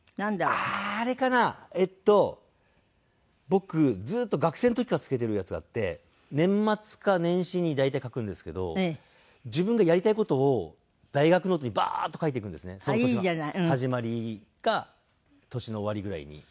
僕ずっと学生の時からつけてるやつがあって年末か年始に大体書くんですけど自分がやりたい事を大学ノートにバーッと書いていくんですねその年の始まりか年の終わりぐらいに。